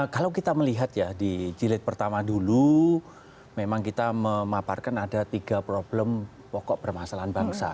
kalau kita melihat ya di jilid pertama dulu memang kita memaparkan ada tiga problem pokok permasalahan bangsa